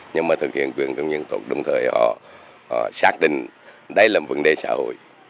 nhưng mà thực hiện quyền công dân tốt đồng thời họ xác định đây là vấn đề xã hội